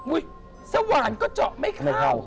อุ๊ยสว่านก็เจาะไม่เข้า